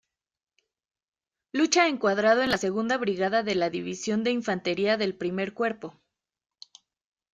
Lucha encuadrado en la segunda brigada de la división de infantería del primer cuerpo.